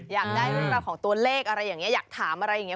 อยากได้เรื่องราวของตัวเลขอะไรอย่างนี้อยากถามอะไรอย่างนี้